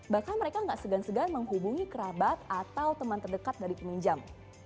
bahkan mereka nggak segan segan menghubungi kerabat atau teman terdekat dari peminjam